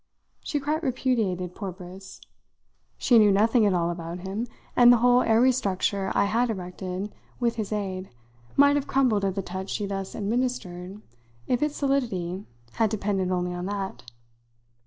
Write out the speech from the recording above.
She quite repudiated poor Briss. She knew nothing at all about him, and the whole airy structure I had erected with his aid might have crumbled at the touch she thus administered if its solidity had depended only on that.